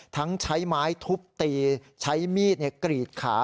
ทั้งใช้ไม้ทุบตีใช้มีดกรีดขา